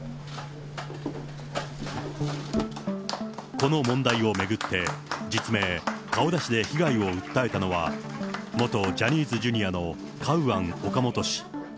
この問題を巡って、実名、顔出しで被害を訴えたのは、元ジャニーズＪｒ．のカウアン・オカモト氏。